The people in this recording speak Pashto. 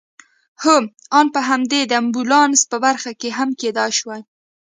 هو آن په همدې د امبولانس په برخه کې هم کېدای شوای.